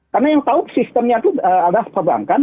karena yang tahu sistemnya itu adalah perbankan